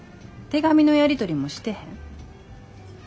手紙のやり取りもしてへん？